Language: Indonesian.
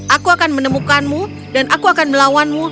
aku akan menemukanmu dan aku akan melawanmu